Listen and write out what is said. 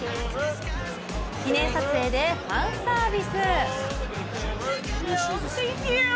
記念撮影でファンサービス。